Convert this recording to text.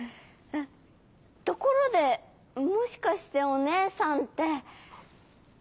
ところでもしかしておねえさんって。